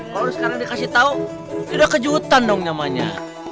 kalau sekarang dikasih tahu itu udah kejutan dong namanya